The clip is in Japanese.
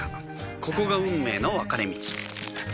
ここが運命の分かれ道